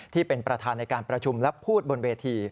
ที่เป็นประธานในการประชุมและพูดบนเวที